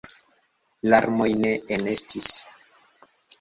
Larmoj ne enestis.